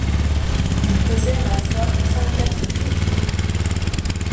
Il pesait, ma foi, trente-quatre livres!